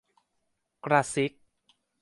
กระซิก